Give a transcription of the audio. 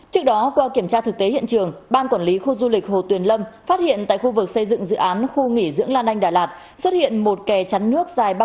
trước đó qua kiểm tra thực tế hiện trường ban quản lý khu du lịch hồ tuyền lâm phát hiện tại khu vực xây dựng dự án khu nghỉ dưỡng lan anh đà lạt xuất hiện một kè chắn nước dài ba m